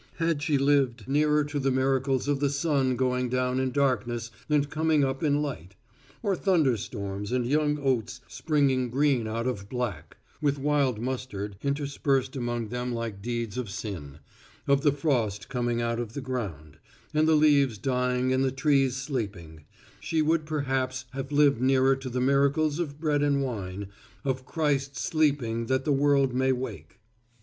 Had she lived nearer to the miracles of the sun going down in darkness and coming up in light; or thunderstorms and young oats springing green out of black, with wild mustard interspersed among them like deeds of sin; of the frost coming out of the ground; and the leaves dying and the trees sleeping; she would perhaps have lived nearer to the miracles of bread and wine, of Christ sleeping that the world may wake.